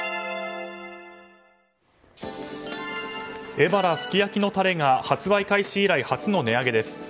エバラすき焼のたれが発売開始以来初の値上げです。